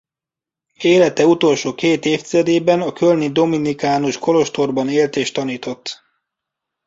Élete utolsó két évtizedében a kölni dominikánus kolostorban élt és tanított.